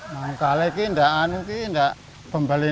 mangkal ini enggak ada pembeli